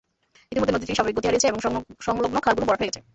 ইতিমধ্যে নদীটি স্বাভাবিক গতি হারিয়েছে এবং সংলগ্ন খালগুলো ভরাট হয়ে গেছে।